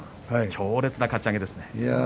強烈なかち上げですね。